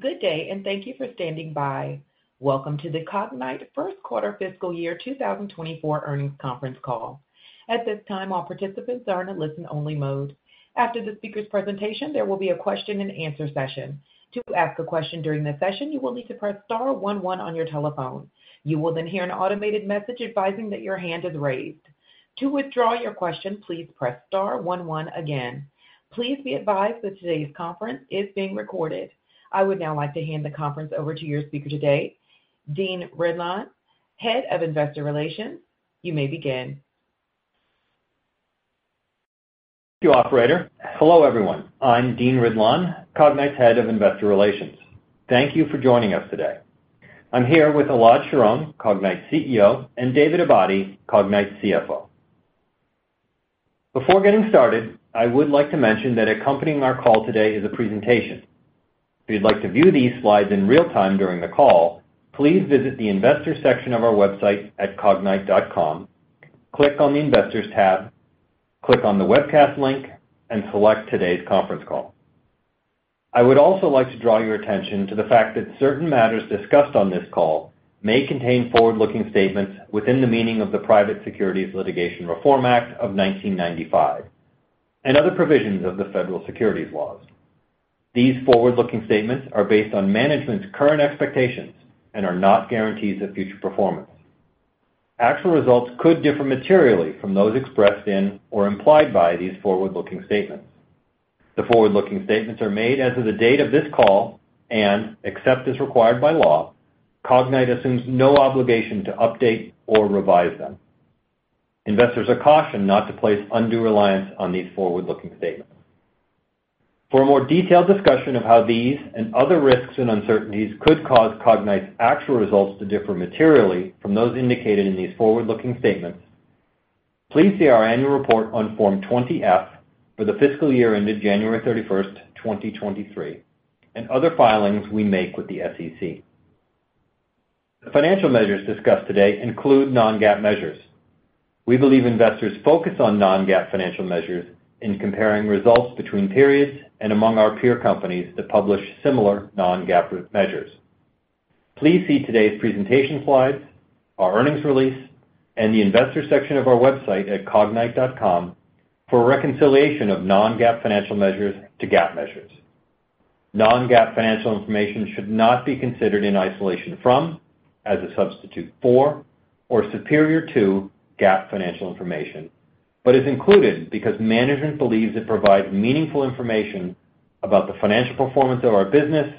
Good day, and thank you for standing by. Welcome to the Cognyte first quarter fiscal year 2024 earnings conference call. At this time, all participants are in a listen-only mode. After the speaker's presentation, there will be a question-and-answer session. To ask a question during this session, you will need to press star one one on your telephone. You will then hear an automated message advising that your hand is raised. To withdraw your question, please press star one one again. Please be advised that today's conference is being recorded. I would now like to hand the conference over to your speaker today, Dean Ridlon, Head of Investor Relations. You may begin. Thank you, operator. Hello, everyone. I'm Dean Ridlon, Cognyte's Head of Investor Relations. Thank you for joining us today. I'm here with Elad Sharon, Cognyte's CEO, and David Abadi, Cognyte's CFO. Before getting started, I would like to mention that accompanying our call today is a presentation. If you'd like to view these slides in real time during the call, please visit the investor section of our website at cognyte.com, click on the Investors tab, click on the Webcast link, and select today's conference call. I would also like to draw your attention to the fact that certain matters discussed on this call may contain forward-looking statements within the meaning of the Private Securities Litigation Reform Act of 1995 and other provisions of the federal securities laws. These forward-looking statements are based on management's current expectations and are not guarantees of future performance. Actual results could differ materially from those expressed in or implied by these forward-looking statements. The forward-looking statements are made as of the date of this call, except as required by law, Cognyte assumes no obligation to update or revise them. Investors are cautioned not to place undue reliance on these forward-looking statements. For a more detailed discussion of how these and other risks and uncertainties could cause Cognyte's actual results to differ materially from those indicated in these forward-looking statements, please see our annual report on Form 20-F for the fiscal year ended January 31, 2023, other filings we make with the SEC. The financial measures discussed today include non-GAAP measures. We believe investors focus on non-GAAP financial measures in comparing results between periods and among our peer companies that publish similar non-GAAP measures. Please see today's presentation slides, our earnings release, and the investor section of our website at cognyte.com for a reconciliation of non-GAAP financial measures to GAAP measures. Non-GAAP financial information should not be considered in isolation from, as a substitute for, or superior to GAAP financial information, but is included because management believes it provides meaningful information about the financial performance of our business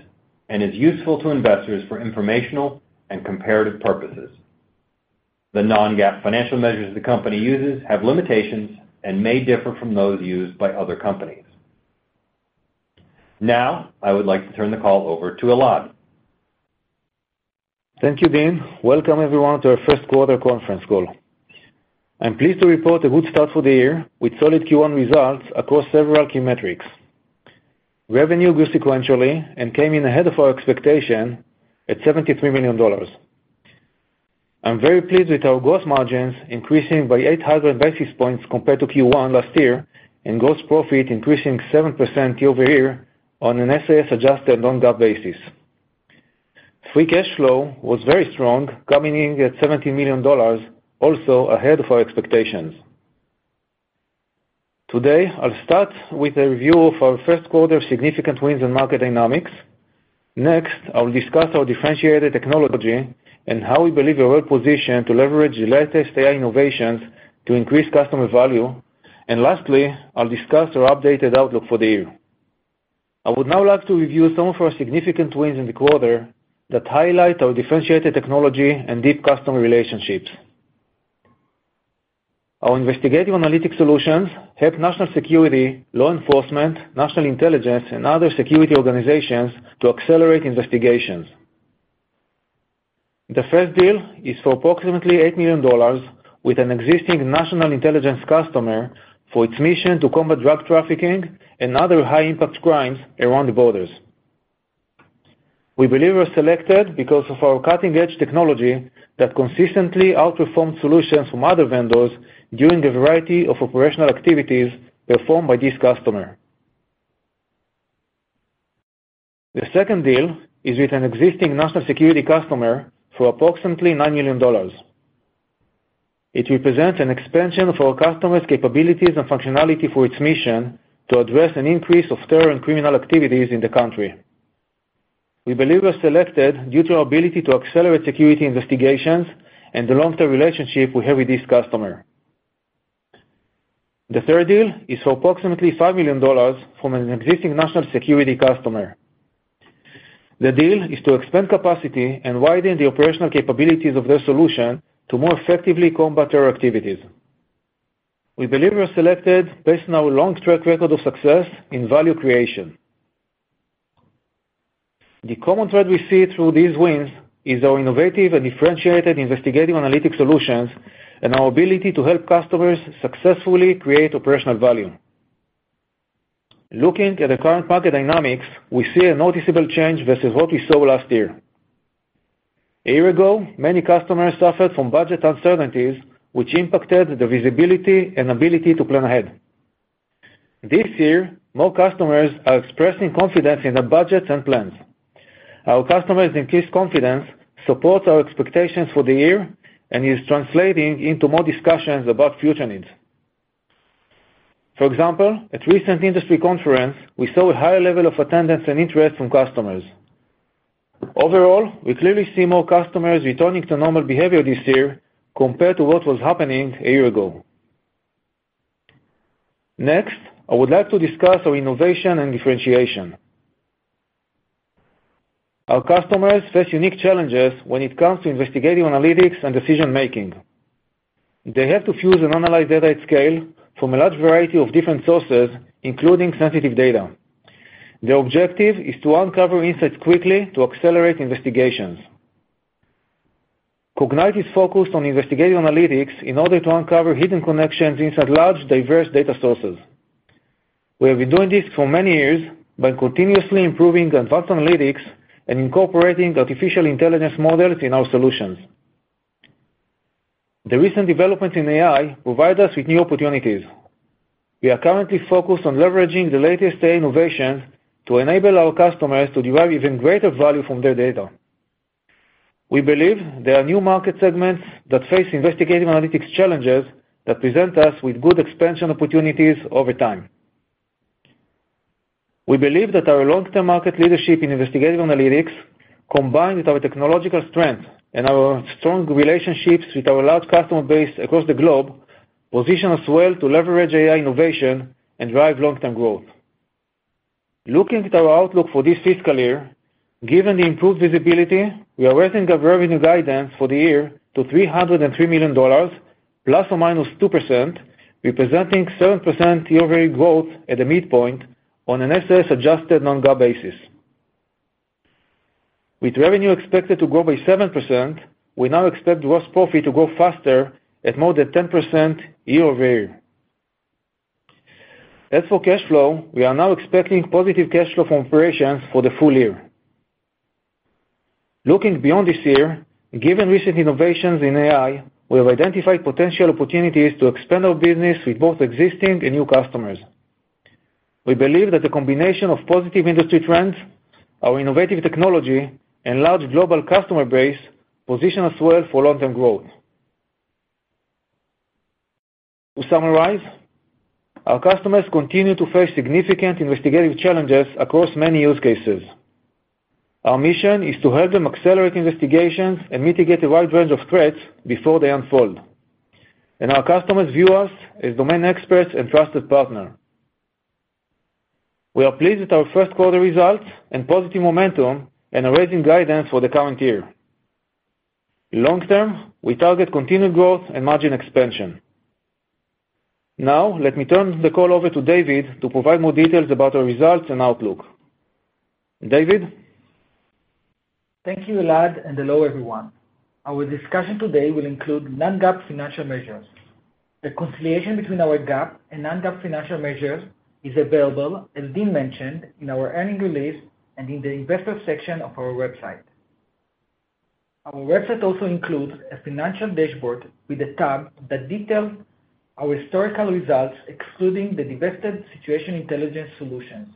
and is useful to investors for informational and comparative purposes. The non-GAAP financial measures the company uses have limitations and may differ from those used by other companies. Now, I would like to turn the call over to Elad. Thank you, Dean. Welcome, everyone, to our first quarter conference call. I'm pleased to report a good start for the year, with solid Q1 results across several key metrics. Revenue grew sequentially and came in ahead of our expectation at $73 million. I'm very pleased with our gross margins increasing by 800 basis points compared to Q1 last year, and gross profit increasing 7% year-over-year on an SIS-adjusted non-GAAP basis. Free cash flow was very strong, coming in at $70 million, also ahead of our expectations. Today, I'll start with a review of our first quarter significant wins and market dynamics. Next, I will discuss our differentiated technology and how we believe we're well positioned to leverage the latest AI innovations to increase customer value. Lastly, I'll discuss our updated outlook for the year. I would now like to review some of our significant wins in the quarter that highlight our differentiated technology and deep customer relationships. Our investigative analytics solutions help national security, law enforcement, national intelligence, and other security organizations to accelerate investigations. The first deal is for approximately $8 million with an existing national intelligence customer for its mission to combat drug trafficking and other high-impact crimes around the borders. We believe we were selected because of our cutting-edge technology that consistently outperformed solutions from other vendors during a variety of operational activities performed by this customer. The second deal is with an existing national security customer for approximately $9 million. It represents an expansion of our customer's capabilities and functionality for its mission to address an increase of terror and criminal activities in the country. We believe we are selected due to our ability to accelerate security investigations and the long-term relationship we have with this customer. The third deal is for approximately $5 million from an existing national security customer. The deal is to expand capacity and widen the operational capabilities of their solution to more effectively combat terror activities. We believe we are selected based on our long-track record of success in value creation. The common thread we see through these wins is our innovative and differentiated investigative analytics solutions and our ability to help customers successfully create operational value. Looking at the current market dynamics, we see a noticeable change versus what we saw last year. A year ago, many customers suffered from budget uncertainties, which impacted the visibility and ability to plan ahead. This year, more customers are expressing confidence in their budgets and plans. Our customers' increased confidence supports our expectations for the year and is translating into more discussions about future needs. For example, at recent industry conference, we saw a higher level of attendance and interest from customers. Overall, we clearly see more customers returning to normal behavior this year compared to what was happening a year ago. Next, I would like to discuss our innovation and differentiation. Our customers face unique challenges when it comes to investigative analytics and decision-making. They have to fuse and analyze data at scale from a large variety of different sources, including sensitive data. Their objective is to uncover insights quickly to accelerate investigations. Cognyte is focused on investigative analytics in order to uncover hidden connections inside large, diverse data sources. We have been doing this for many years by continuously improving advanced analytics and incorporating artificial intelligence models in our solutions. The recent developments in AI provide us with new opportunities. We are currently focused on leveraging the latest AI innovations to enable our customers to derive even greater value from their data. We believe there are new market segments that face investigative analytics challenges that present us with good expansion opportunities over time. We believe that our long-term market leadership in investigative analytics, combined with our technological strength and our strong relationships with our large customer base across the globe, position us well to leverage AI innovation and drive long-term growth. Looking at our outlook for this fiscal year, given the improved visibility, we are raising our revenue guidance for the year to $303 million, ±2%, representing 7% year-over-year growth at the midpoint on an SIS-adjusted non-GAAP basis. With revenue expected to grow by 7%, we now expect gross profit to grow faster, at more than 10% year-over-year. As for cash flow, we are now expecting positive cash flow from operations for the full year. Looking beyond this year, given recent innovations in AI, we have identified potential opportunities to expand our business with both existing and new customers. We believe that the combination of positive industry trends, our innovative technology, and large global customer base, position us well for long-term growth. To summarize, our customers continue to face significant investigative challenges across many use cases. Our mission is to help them accelerate investigations and mitigate a wide range of threats before they unfold, and our customers view us as domain experts and trusted partner. We are pleased with our first quarter results and positive momentum, and are raising guidance for the current year. Long term, we target continued growth and margin expansion. Let me turn the call over to David to provide more details about our results and outlook. David? Thank you, Elad, and hello, everyone. Our discussion today will include non-GAAP financial measures. The conciliation between our GAAP and non-GAAP financial measures is available, as Dean mentioned, in our earning release and in the investor section of our website. Our website also includes a financial dashboard with a tab that details our historical results, excluding the divested Situational Intelligence Solutions.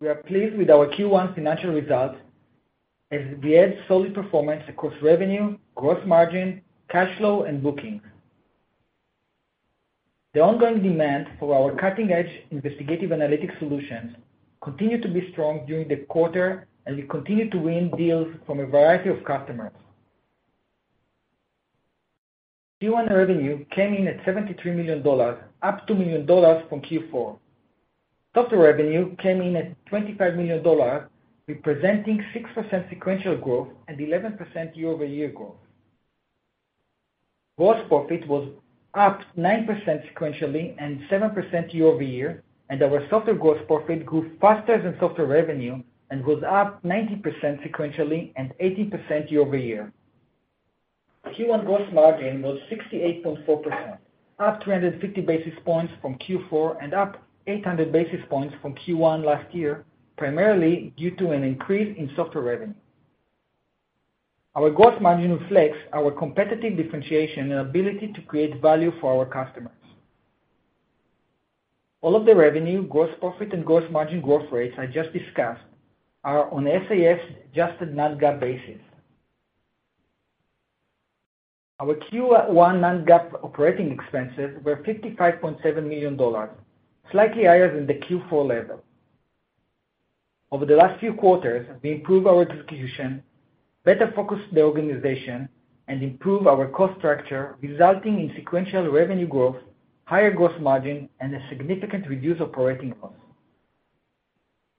We are pleased with our Q1 financial results, as we had solid performance across revenue, gross margin, cash flow, and bookings. The ongoing demand for our cutting-edge investigative analytics solutions continued to be strong during the quarter, and we continued to win deals from a variety of customers. Q1 revenue came in at $73 million, up $2 million from Q4. Software revenue came in at $25 million, representing 6% sequential growth and 11% year-over-year growth. Gross profit was up 9% sequentially and 7% year-over-year. Our software gross profit grew faster than software revenue and was up 19% sequentially and 18% year-over-year. Q1 gross margin was 68.4%, up 350 basis points from Q4, and up 800 basis points from Q1 last year, primarily due to an increase in software revenue. Our gross margin reflects our competitive differentiation and ability to create value for our customers. All of the revenue, gross profit, and gross margin growth rates I just discussed are on SIS-adjusted non-GAAP basis. Our Q1 non-GAAP operating expenses were $55.7 million, slightly higher than the Q4 level. Over the last few quarters, we improved our execution, better focused the organization, and improved our cost structure, resulting in sequential revenue growth, higher gross margin, and a significant reduce operating costs.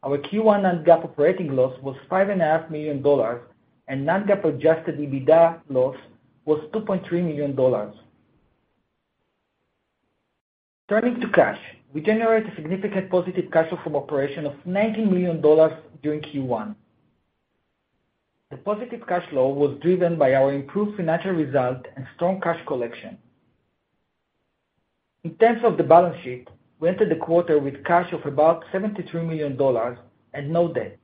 Our Q1 non-GAAP operating loss was five and a half million dollars, and non-GAAP Adjusted EBITDA loss was $2.3 million. Turning to cash, we generate a significant positive cash flow from operation of $19 million during Q1. The positive cash flow was driven by our improved financial result and strong cash collection. In terms of the balance sheet, we entered the quarter with cash of about $73 million and no debt.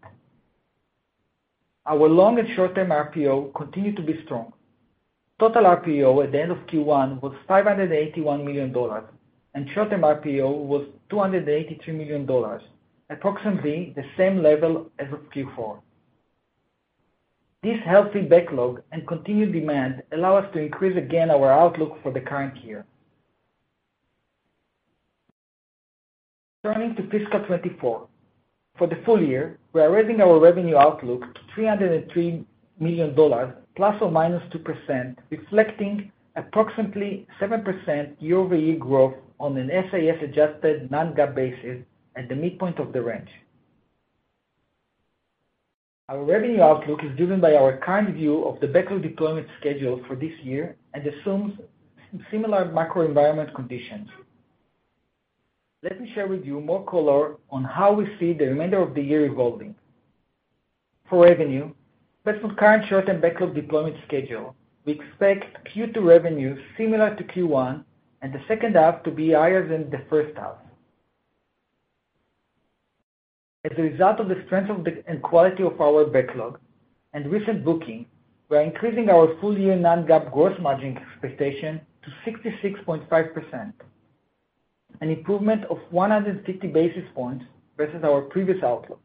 Our long- and short-term RPO continued to be strong. Total RPO at the end of Q1 was $581 million, and short-term RPO was $283 million, approximately the same level as of Q4. This healthy backlog and continued demand allow us to increase again our outlook for the current year. Turning to FY 2024, for the full year, we are raising our revenue outlook to $303 million, ±2%, reflecting approximately 7% year-over-year growth on an SIS-adjusted non-GAAP basis at the midpoint of the range. Our revenue outlook is driven by our current view of the backlog deployment schedule for this year and assumes similar macroenvironment conditions. Let me share with you more color on how we see the remainder of the year evolving. For revenue, based on current short-term backlog deployment schedule, we expect Q2 revenue similar to Q1, and the second half to be higher than the first half. As a result of the strength and quality of our backlog and recent booking, we are increasing our full-year non-GAAP gross margin expectation to 66.5%, an improvement of 150 basis points versus our previous outlook,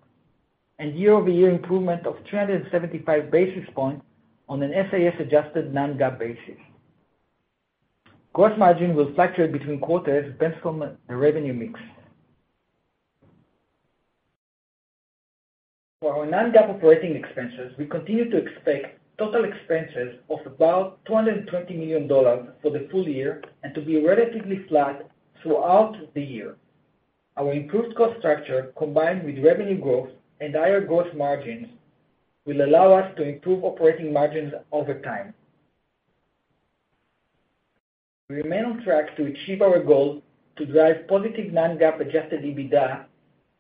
and year-over-year improvement of 275 basis points on an SIS-adjusted non-GAAP basis. Gross margin will fluctuate between quarters based on the revenue mix. For our non-GAAP operating expenses, we continue to expect total expenses of about $220 million for the full year and to be relatively flat throughout the year. Our improved cost structure, combined with revenue growth and higher gross margins, will allow us to improve operating margins over time. We remain on track to achieve our goal to drive positive non-GAAP Adjusted EBITDA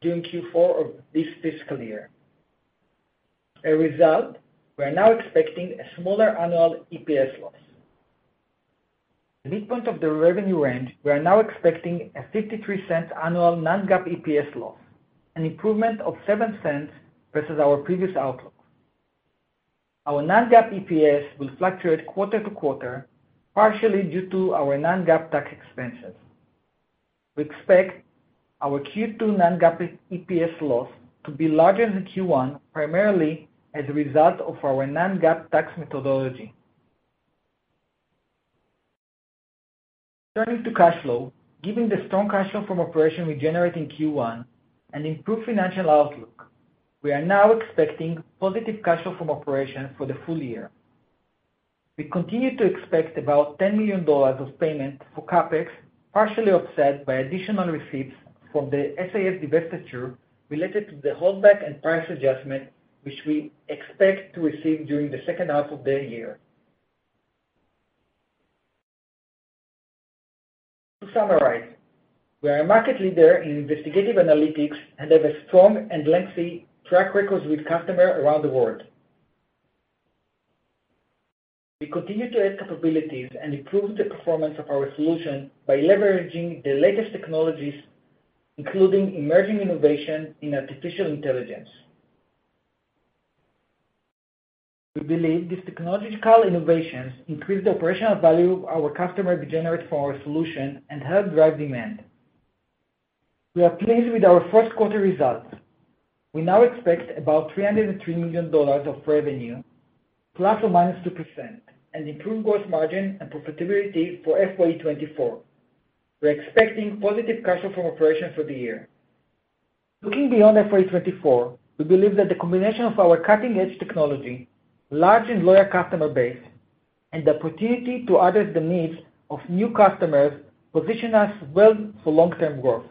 during Q4 of this fiscal year. A result, we are now expecting a smaller annual EPS loss. At midpoint of the revenue range, we are now expecting a $0.53 annual non-GAAP EPS loss, an improvement of $0.07 versus our previous outlook. Our non-GAAP EPS will fluctuate quarter to quarter, partially due to our non-GAAP tax expenses. We expect our Q2 non-GAAP EPS loss to be larger than Q1, primarily as a result of our non-GAAP tax methodology. Turning to cash flow, given the strong cash flow from operation we generate in Q1 and improved financial outlook, we are now expecting positive cash flow from operation for the full year. We continue to expect about $10 million of payment for CapEx, partially offset by additional receipts from the SIS divestiture related to the holdback and price adjustment, which we expect to receive during the second half of the year. To summarize, we are a market leader in investigative analytics and have a strong and lengthy track records with customer around the world. We continue to add capabilities and improve the performance of our solution by leveraging the latest technologies, including emerging innovation in artificial intelligence. We believe these technological innovations increase the operational value our customer generate for our solution and help drive demand. We are pleased with our first quarter results. We now expect about $303 million of revenue, ±2%, and improve gross margin and profitability for FY 2024. We're expecting positive cash flow from operation for the year. Looking beyond FY 2024, we believe that the combination of our cutting-edge technology, large and loyal customer base, and the opportunity to address the needs of new customers, position us well for long-term growth.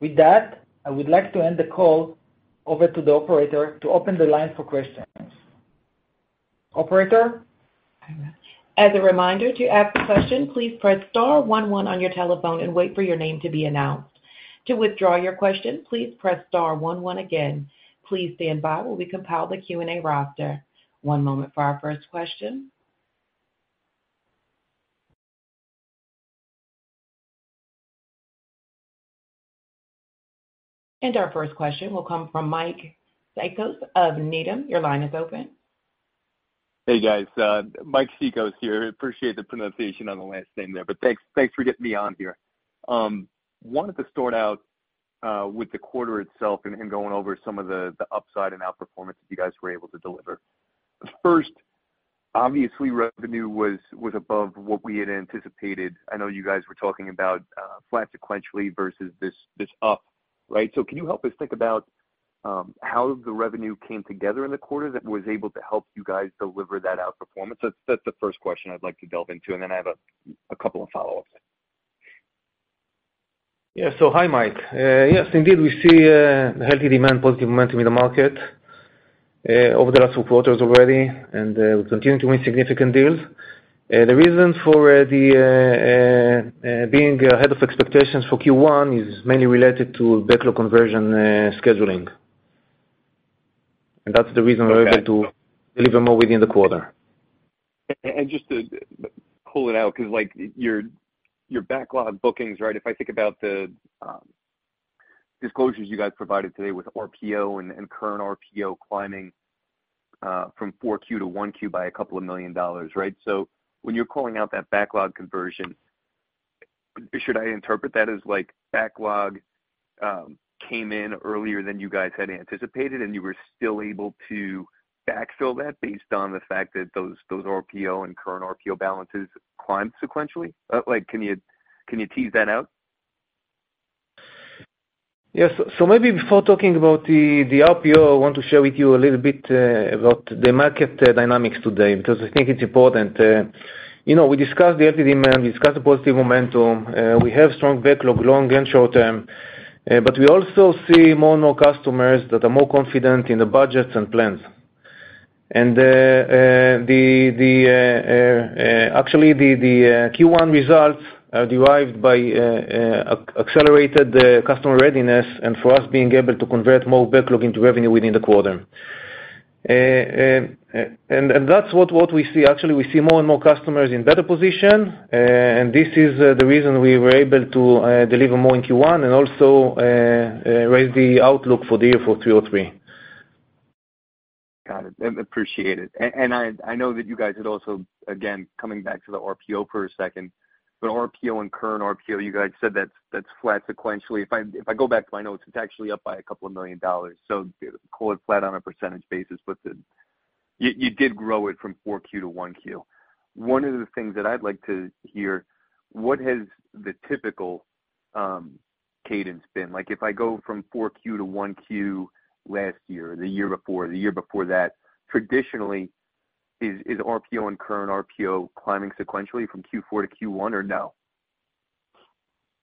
With that, I would like to hand the call over to the operator to open the line for questions. Operator? As a reminder, to ask a question, please press star one one on your telephone and wait for your name to be announced. To withdraw your question, please press star one one again. Please stand by while we compile the Q&A roster. One moment for our first question. Our first question will come from Mike Cikos of Needham. Your line is open. Hey, guys, Mike Cikos here. Appreciate the pronunciation on the last name there, but thanks for getting me on here. Wanted to start out with the quarter itself and going over some of the upside and outperformance that you guys were able to deliver. First, obviously, revenue was above what we had anticipated. I know you guys were talking about flat sequentially versus this up, right? Can you help us think about how the revenue came together in the quarter that was able to help you guys deliver that outperformance? That's the first question I'd like to delve into, and then I have a couple of follow-ups. Yeah. Hi, Mike. Yes, indeed, we see healthy demand, positive momentum in the market, over the last few quarters already, and we continue to win significant deals. The reason for being ahead of expectations for Q1 is mainly related to backlog conversion scheduling. That's the reason we're able to deliver more within the quarter. Just to pull it out, 'cause like your backlog bookings, right? If I think about the disclosures you guys provided today with RPO and current RPO climbing from 4Q to 1Q by a couple of million dollars, right? When you're calling out that backlog conversion, should I interpret that as like backlog came in earlier than you guys had anticipated, and you were still able to backfill that based on the fact that those RPO and current RPO balances climbed sequentially? Like, can you tease that out? Maybe before talking about the RPO, I want to share with you a little bit, about the market, dynamics today, because I think it's important. you know, we discussed the demand, we discussed the positive momentum, we have strong backlog, long and short term, but we also see more and more customers that are more confident in the budgets and plans. The actually the Q1 results are derived by accelerated customer readiness, and for us, being able to convert more backlog into revenue within the quarter. That's what we see. Actually, we see more and more customers in better position, and this is the reason we were able to deliver more in Q1 and also raise the outlook for the year for $303. Got it. Appreciate it. I know that you guys, again, coming back to the RPO for a second, but RPO and current RPO, you guys said that's flat sequentially. If I go back to my notes, it's actually up by $2 million, so call it flat on a percentage basis, but the. You did grow it from 4Q to 1Q. One of the things that I'd like to hear, what has the typical cadence been? Like, if I go from 4Q to 1Q last year, the year before, the year before that, traditionally, is RPO and current RPO climbing sequentially from Q4 to Q1 or no?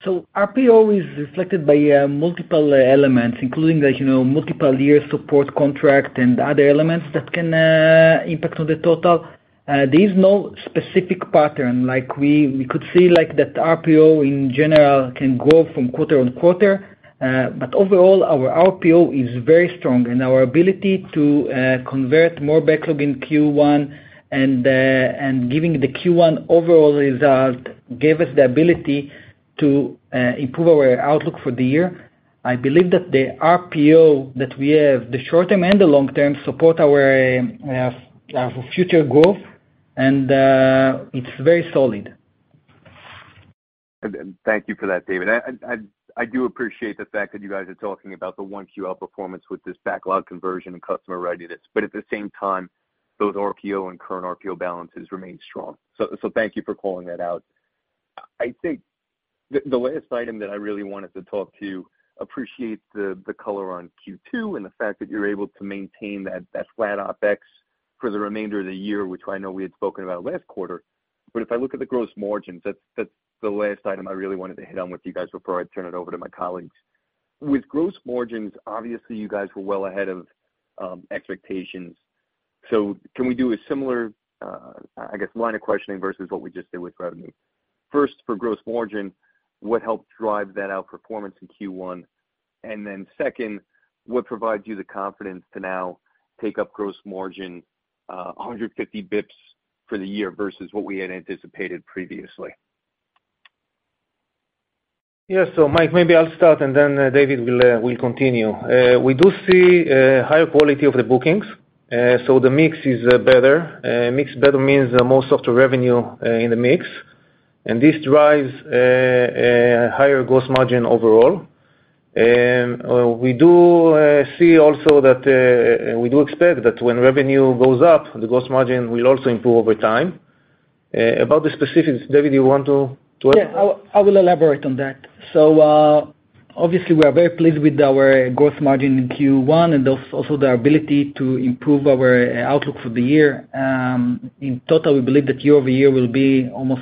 RPO is reflected by multiple elements, including the, you know, multiple year support contract and other elements that can impact on the total. There is no specific pattern, like, we could see, like, that RPO in general can grow from quarter on quarter. Overall, our RPO is very strong, and our ability to convert more backlog in Q1 and, giving the Q1 overall result, gave us the ability to improve our outlook for the year. I believe that the RPO that we have, the short term and the long term, support our for future growth, and it's very solid. Thank you for that, David. I do appreciate the fact that you guys are talking about the one QL performance with this backlog conversion and customer readiness, at the same time, both RPO and current RPO balances remain strong. Thank you for calling that out. I think the last item that I really wanted to talk to, appreciate the color on Q2 and the fact that you're able to maintain that flat OpEx for the remainder of the year, which I know we had spoken about last quarter. If I look at the gross margins, that's the last item I really wanted to hit on with you guys before I turn it over to my colleagues. With gross margins, obviously, you guys were well ahead of expectations. Can we do a similar, I guess, line of questioning versus what we just did with revenue? First, for gross margin, what helped drive that outperformance in Q1? Second, what provides you the confidence to now take up gross margin 150 basis points for the year versus what we had anticipated previously? Yeah. Mike, maybe I'll start, David will continue. We do see higher quality of the bookings, the mix is better. Mix better means more software revenue in the mix, and this drives higher gross margin overall. We do see also that we do expect that when revenue goes up, the gross margin will also improve over time. About the specifics, David, you want to elaborate? I will elaborate on that. Obviously, we are very pleased with our gross margin in Q1, and also the ability to improve our outlook for the year. In total, we believe that year-over-year will be almost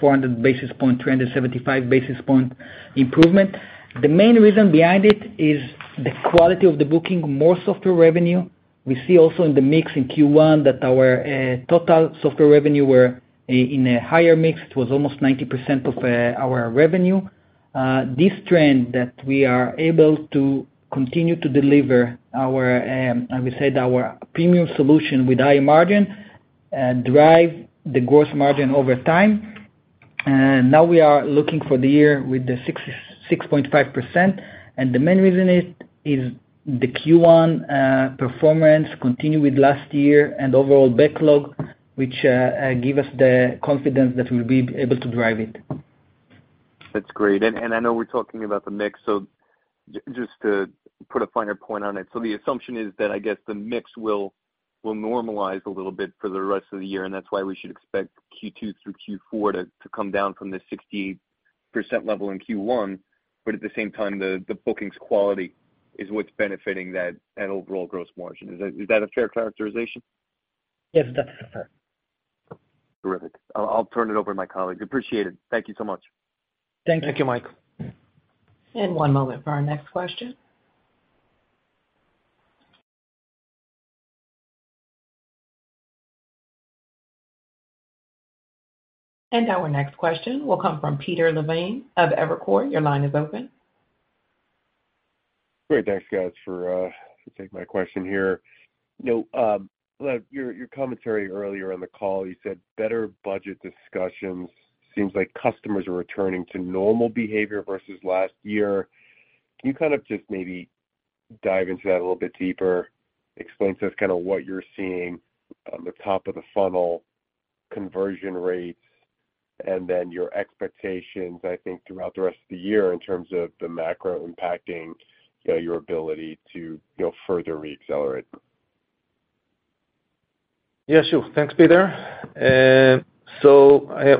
400 basis point, 375 basis point improvement. The main reason behind it is the quality of the booking, more software revenue. We see also in the mix in Q1 that our total software revenue were in a higher mix, was almost 90% of our revenue. This trend that we are able to continue to deliver our, as we said, our premium solution with high margin, drive the gross margin over time. Now we are looking for the year with the 6%-6.5%, and the main reason is the Q1 performance continue with last year and overall backlog, which give us the confidence that we'll be able to drive it. That's great. I know we're talking about the mix, just to put a finer point on it. The assumption is that I guess the mix will normalize a little bit for the rest of the year, and that's why we should expect Q2 through Q4 to come down from the 60% level in Q1, at the same time, the bookings quality is what's benefiting that overall gross margin. Is that a fair characterization? Yes, that's fair. Terrific. I'll turn it over to my colleague. Appreciate it. Thank you so much. Thank you. Thank you, Mike. One moment for our next question. Our next question will come from Peter Levine of Evercore. Your line is open. Great. Thanks, guys, for taking my question here. You know, Lev, your commentary earlier on the call, you said better budget discussions. Seems like customers are returning to normal behavior versus last year. Can you kind of just maybe dive into that a little bit deeper? Explain to us kinda what you're seeing on the top of the funnel, conversion rates, and then your expectations, I think, throughout the rest of the year in terms of the macro impacting your ability to go further reaccelerate. Yeah, sure. Thanks, Peter.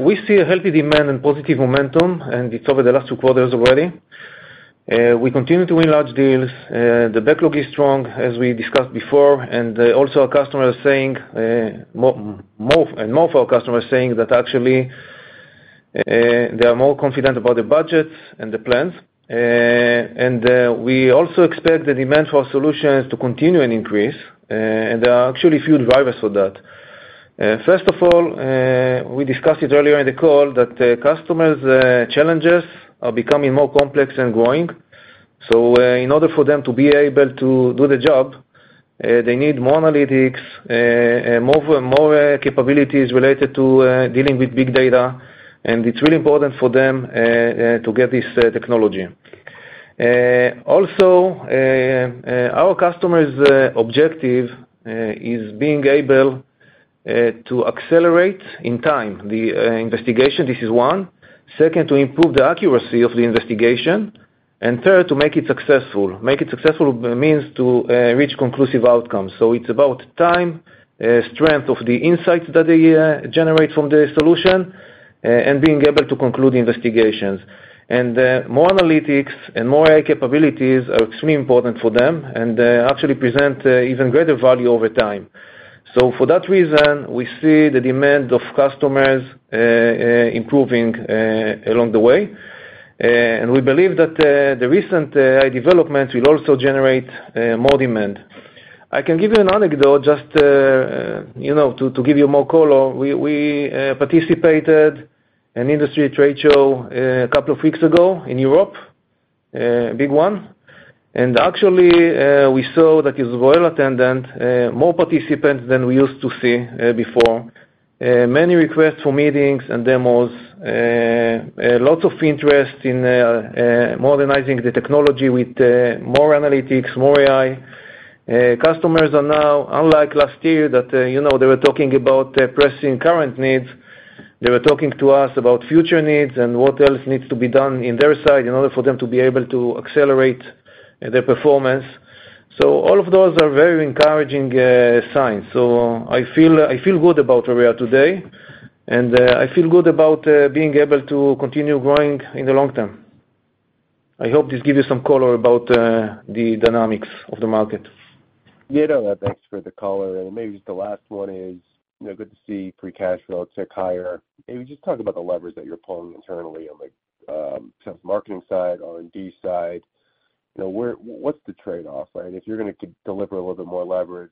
We see a healthy demand and positive momentum, and it's over the last two quarters already. We continue to win large deals. The backlog is strong, as we discussed before. Also, our customers are saying, more and more of our customers are saying that actually, they are more confident about the budgets and the plans. We also expect the demand for solutions to continue and increase. There are actually a few drivers for that. First of all, we discussed it earlier in the call, that customers' challenges are becoming more complex and growing. In order for them to be able to do the job, they need more analytics, and more, more, capabilities related to dealing with big data, and it's really important for them to get this technology. Also, our customer's objective is being able to accelerate in time, the investigation, this is one. Second, to improve the accuracy of the investigation, and third, to make it successful. Make it successful means to reach conclusive outcomes. It's about time, strength of the insights that they generate from the solution, and being able to conclude the investigations. More analytics and more AI capabilities are extremely important for them and actually present even greater value over time. For that reason, we see the demand of customers improving along the way. We believe that the recent developments will also generate more demand. I can give you an anecdote just to, you know, to give you more color. We participated an industry trade show a couple of weeks ago in Europe, a big one. Actually, we saw that it was well attended, more participants than we used to see before. Many requests for meetings and demos, lots of interest in modernizing the technology with more analytics, more AI. Customers are now, unlike last year, that you know, they were talking about pressing current needs, they were talking to us about future needs and what else needs to be done in their side in order for them to be able to accelerate their performance. All of those are very encouraging signs. I feel good about where we are today, and I feel good about being able to continue growing in the long term. I hope this gives you some color about the dynamics of the market. Yeah, no, thanks for the color, and maybe the last one is, you know, good to see free cash flow tick higher. Maybe just talk about the levers that you're pulling internally on, like, sales marketing side, R&D side. You know, what's the trade-off, right? If you're gonna deliver a little bit more leverage,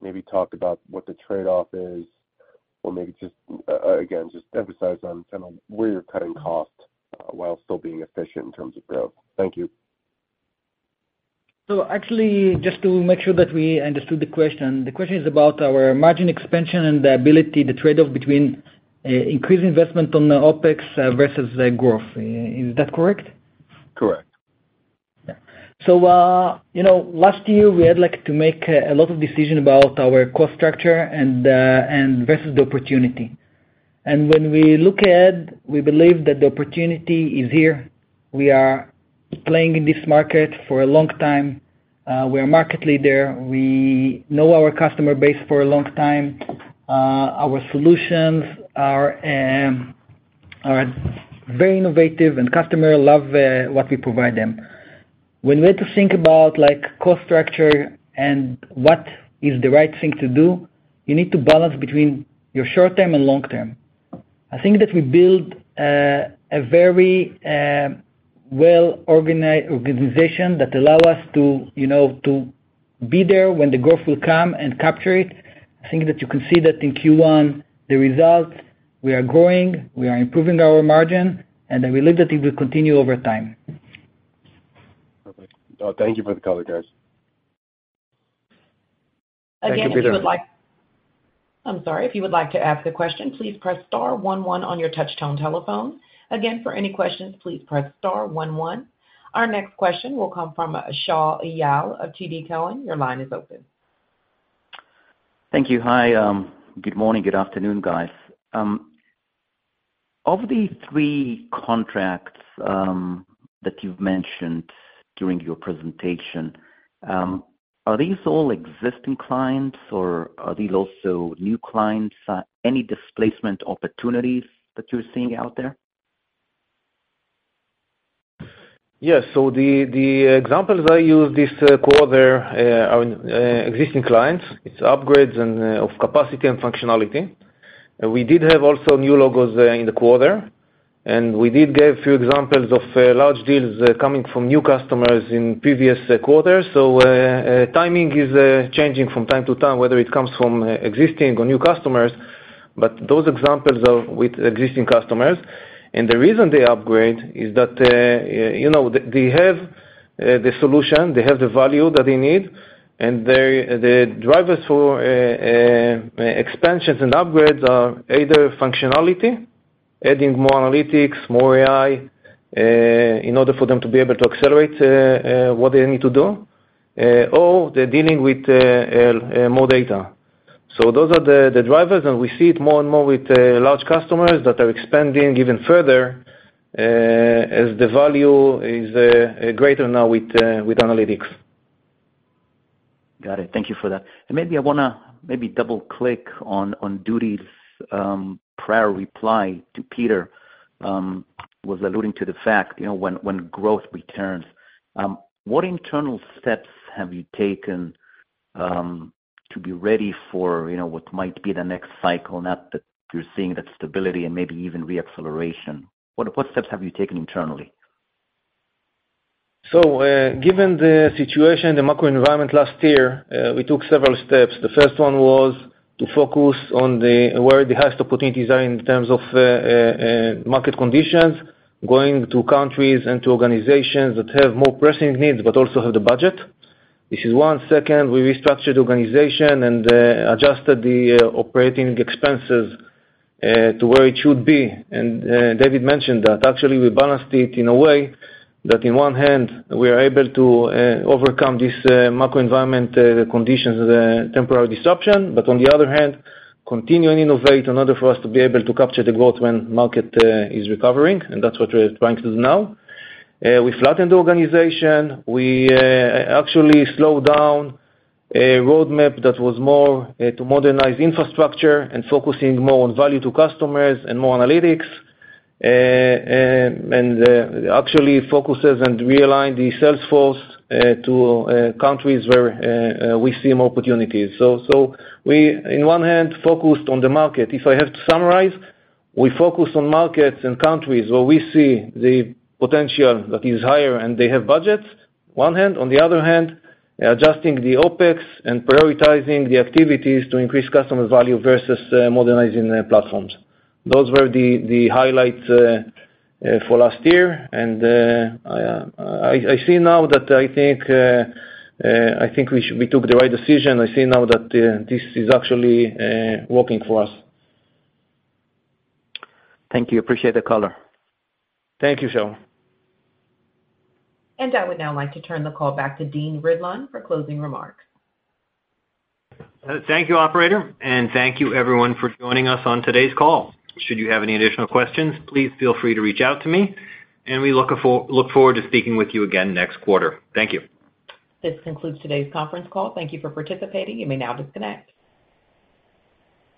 maybe talk about what the trade-off is, or maybe just, again, just emphasize on kinda where you're cutting costs, while still being efficient in terms of growth. Thank you. Actually, just to make sure that we understood the question. The question is about our margin expansion and the ability, the trade-off between increased investment on OpEx versus growth. Is that correct? Correct. you know, last year, we had, like, to make a lot of decisions about our cost structure and versus the opportunity. When we look at, we believe that the opportunity is here. We are playing in this market for a long time, we're a market leader, we know our customer base for a long time. Our solutions are very innovative, and customer love what we provide them. When we had to think about like, cost structure and what is the right thing to do, you need to balance between your short term and long term. I think that we build a very well-organized organization that allow us to, you know, to be there when the growth will come and capture it. I think that you can see that in Q1, the results, we are growing, we are improving our margin, and I believe that it will continue over time. Perfect. Thank you for the color, guys. Thank you, Peter. Again, if you would like to ask a question, please press star one one on your touchtone telephone. Again, for any questions, please press star one one. Our next question will come from Shaul Eyal of TD Cowen. Your line is open. Thank you. Hi, good morning, good afternoon, guys. Of the three contracts that you've mentioned during your presentation, are these all existing clients or are these also new clients? Any displacement opportunities that you're seeing out there? Yes. The examples I used this quarter are existing clients. It's upgrades and of capacity and functionality. We did have also new logos there in the quarter, and we did give a few examples of large deals coming from new customers in previous quarters. Timing is changing from time to time, whether it comes from existing or new customers. Those examples are with existing customers, and the reason they upgrade is that you know, they have the solution, they have the value that they need, and the drivers for expansions and upgrades are either functionality, adding more analytics, more AI, in order for them to be able to accelerate what they need to do, or they're dealing with more data. Those are the drivers, and we see it more and more with large customers that are expanding even further, as the value is greater now with analytics. Got it. Thank you for that. Maybe I wanna maybe double-click on Dudi's prior reply to Peter was alluding to the fact, you know, when growth returns. What internal steps have you taken, to be ready for, you know, what might be the next cycle, now that you're seeing that stability and maybe even re-acceleration? What steps have you taken internally? Given the situation, the macro environment last year, we took several steps. The first one was to focus on where the highest opportunities are in terms of market conditions, going to countries and to organizations that have more pressing needs but also have the budget. This is one. Second, we restructured organization and adjusted the operating expenses to where it should be. David mentioned that. Actually, we balanced it in a way that in one hand, we are able to overcome this macro environment conditions, the temporary disruption, but on the other hand, continue and innovate in order for us to be able to capture the growth when market is recovering, and that's what we're trying to do now. We flattened the organization. We actually slowed down a roadmap that was more to modernize infrastructure and focusing more on value to customers and more analytics, and actually focuses and realign the sales force to countries where we see more opportunities. We, in one hand, focused on the market. If I have to summarize, we focused on markets and countries where we see the potential that is higher, and they have budgets, one hand. On the other hand, adjusting the OpEx and prioritizing the activities to increase customer value versus modernizing their platforms. Those were the highlights for last year, and I see now that I think I think we took the right decision. I see now that this is actually working for us. Thank you. Appreciate the color. Thank you, Shaul. I would now like to turn the call back to Dean Ridlon for closing remarks. Thank you, operator, and thank you everyone for joining us on today's call. Should you have any additional questions, please feel free to reach out to me, and we look forward to speaking with you again next quarter. Thank you. This concludes today's conference call. Thank Thank you for participating. You may now disconnect.